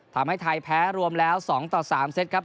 ทำให้ไทยแพ้รวมแล้ว๒ต่อ๓เซตครับ